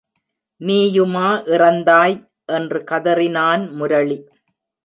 நீயுமா இறந்தாய்? என்று கதறினான் முரளி.